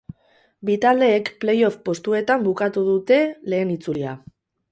Bi taldeek playoff postuetan bukatu dute lehen itzulia.